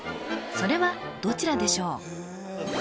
それはどちらでしょう